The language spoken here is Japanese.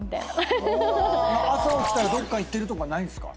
朝起きたらどっかいってるとかないんですか？